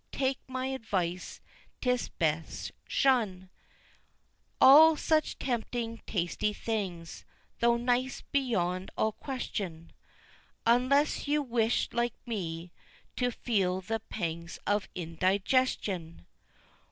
Take my advice, 'tis best shun All such tempting tasty things, tho' nice beyond all question, Unless you wish like me to feel the pangs of indigestion!